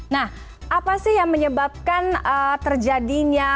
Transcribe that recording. nah apa sih yang menyebabkan terjadinya